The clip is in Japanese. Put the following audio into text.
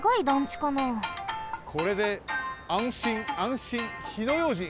これであんしんあんしんひのようじん！